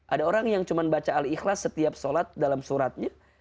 ada orang yang cuma baca al ikhlas setiap sholat dalam suratnya